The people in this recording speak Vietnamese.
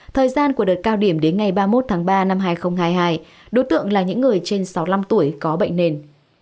thời gian của đợt cao điểm đến ngày ba mươi một tháng ba năm hai nghìn hai mươi hai đối tượng là những người trên sáu mươi năm tuổi có bệnh nền